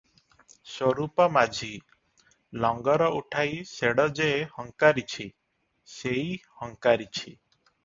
ସ୍ୱରୂପ ମାଝି- ଲଙ୍ଗର ଉଠାଇ ଶେଡ଼ ଯେ ହଙ୍କାରିଛି, ସେଇ ହଙ୍କାରିଛି ।